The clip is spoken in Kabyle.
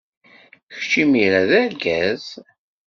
Kečč imir-a d argaz.